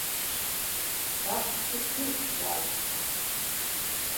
Das ist nicht weit.